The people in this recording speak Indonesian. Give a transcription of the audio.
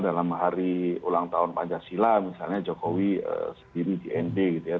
dalam hari ulang tahun pancasila misalnya jokowi sendiri di nd gitu ya